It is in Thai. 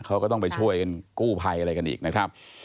เขาก็ต้องไปช่วยกันกู้ภัยอะไรกันอีกนะครับ